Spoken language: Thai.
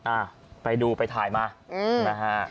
อ่าไปดูไปถ่ายมานะฮะ